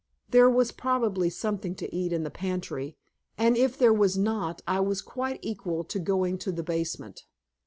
There was probably something to eat in the pantry, and if there was not, I was quite equal to going to the basement.